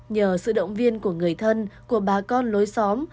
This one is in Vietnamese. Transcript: nhờ sự động viên của người thân của bà con lối xóm